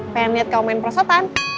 pengen liat kamu main prosotan